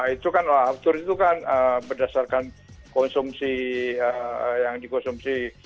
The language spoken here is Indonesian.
itu kan aftur itu kan berdasarkan konsumsi yang dikonsumsi